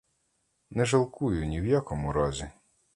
Не жалкую ні в якому разі.